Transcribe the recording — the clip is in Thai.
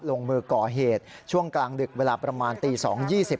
ลงมือก่อเหตุช่วงกลางดึกเวลาประมาณตี๒๒๐